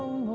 ya kan nur